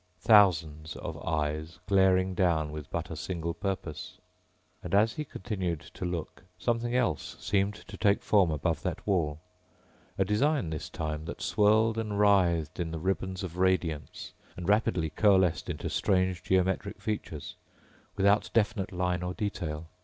Thousands of eyes glaring down with but a single purpose. And as he continued to look, something else seemed to take form above that wall. A design this time, that swirled and writhed in the ribbons of radiance and rapidly coalesced into strange geometric features, without definite line or detail.